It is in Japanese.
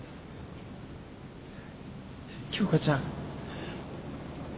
京花ちゃん。